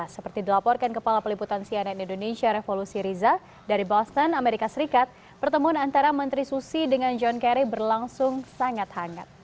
seperti dilaporkan kepala peliputan cnn indonesia revolusi riza dari boston amerika serikat pertemuan antara menteri susi dengan john kerry berlangsung sangat hangat